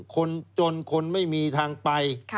คนจนคนไม่มีทางไป